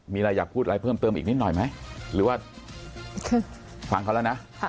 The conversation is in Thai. มีอะไรอยากพูดอะไรเพิ่มเติมอีกนิดหน่อยไหมหรือว่าฟังเขาแล้วนะ